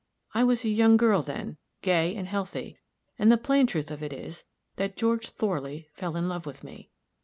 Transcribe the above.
I was a young girl, then, gay and healthy; and the plain truth of it is that George Thorley fell in love with me.